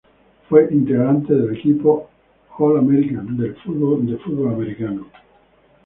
Fue integrante del equipo All-America del fútbol americano.